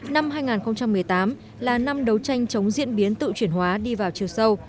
năm hai nghìn một mươi tám là năm đấu tranh chống diễn biến tự chuyển hóa đi vào chiều sâu